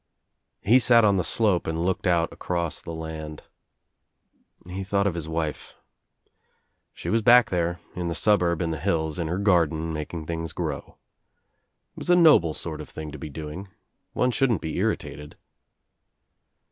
He sat on the slope and looked out across the land. He thought of his wife. She was back there, in the suburb in the hills, in her garden making things grow. It was a noble sort of thing to be doing. One shouldn't be irritated.